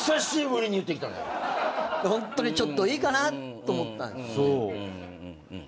ホントに「ちょっといいかな？」と思ったんでしょうね。